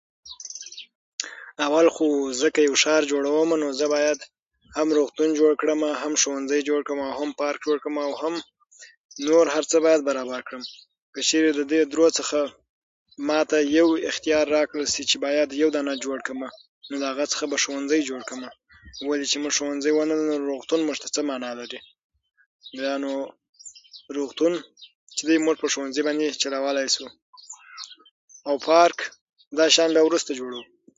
اول خو ځکه یو شی، نو زه باید روغتون جوړ کړمه، هم ښوونځي جوړ کړمه، هم پارک جوړ کړمه، او هم نور هر څه باید برابر کړم. که چېرې له دې درو څخه ماته یو اختیار راکړی شي چې باید یو دانه جوړ کړمه، نو د هغه څخه به ښوونځی جوړ کړمه، ولې چې موږ ښوونځی ونه لرو، روغتون موږ ته څه معنی لري؟ بیا نو روغتون موږ په ښوونځي باندې چلولی شو، او پارک دا شیان بیا وروسته جوړوو.